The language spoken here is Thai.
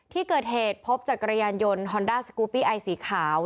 ที่เกิดเหตุพบจักรยานยนต์ฮอนด้าสกูปปี้ไอสีขาว